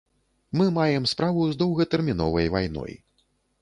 Мы маем справу з доўгатэрміновай вайной.